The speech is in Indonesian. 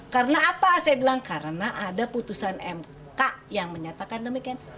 karena apa saya bilang karena ada putusan mk yang menyatakan demikian